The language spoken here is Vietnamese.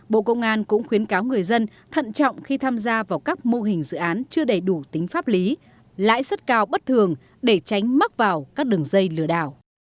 bộ công an cũng khuyến cáo người dân thận trọng khi tham gia vào các mô hình dự án chưa đầy đủ tính pháp lý lãi suất cao bất thường để tránh mắc vào các đường dây lừa đảo